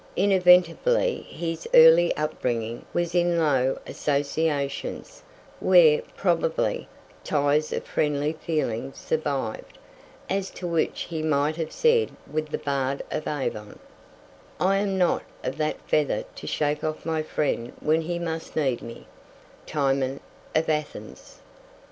Inevitably his early upbringing was in low associations, where, probably, ties of friendly feeling survived, as to which he might have said with the bard of Avon "I am not of that feather to shake off my friend when he must need me" (Timon of Athens).